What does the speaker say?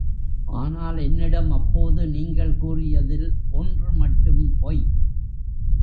ஆனால் என்னிடம் அப்போது நீங்கள் கூறியதில் ஒன்றுமட்டும் பொய்.